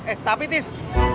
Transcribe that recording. eh tapi tis